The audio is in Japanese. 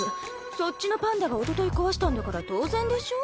そっちのパンダがおととい壊したんだから当然でしょ？